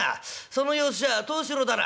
その様子じゃ藤四郎だな」。